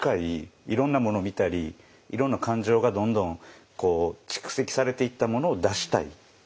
いろんなものを見たりいろんな感情がどんどん蓄積されていったものを出したい。